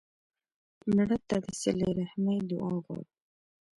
مړه ته د صله رحمي دعا غواړو